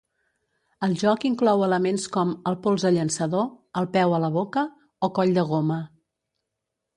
El joc inclou elements com "El polze llançador", "El peu a la boca" o "Coll de goma".